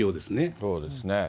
そうですね。